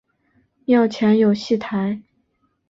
庙前有戏台。